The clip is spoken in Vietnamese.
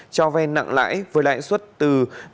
cho vay nặng lãi với lãi suất từ